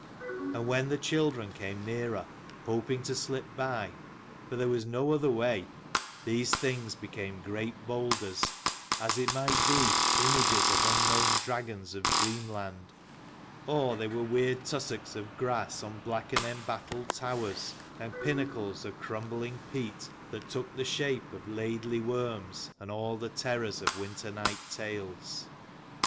And when the children came nearer, hoping to slip by, for there was no other way, these things became great boulders, as it might be images of unknown dragons of dreamland, or they were weird tussocks of grass on black and embattled towers and pinnacles of crumbling peat, that took the shape of laidly worms and all the terrors of winter night tales.